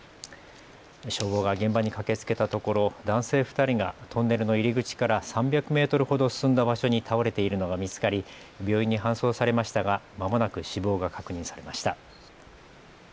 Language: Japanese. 消防が現場に駆けつけたところ男性２人がトンネルの入り口から３００メートルほど進んだ場所に倒れているのが見つかり病院に搬送されましたがまもなく死亡が確認されました。